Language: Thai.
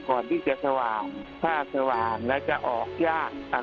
ก่อนที่จะสว่างถ้าสว่างแล้วจะออกยากอ่า